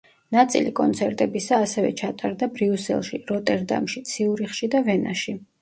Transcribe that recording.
ნაწილი კონცერტებისა ასევე ჩატარდა ბრიუსელში, როტერდამში, ციურიხში და ვენაში.